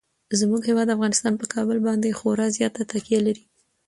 زموږ هیواد افغانستان په کابل باندې خورا زیاته تکیه لري.